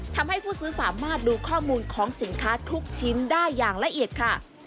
ทำให้ผู้ซื้อสามารถดูข้อมูลของสินค้าทุกชิ้นได้อย่างละเอียดค่ะ